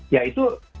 ya itu tanggung jawab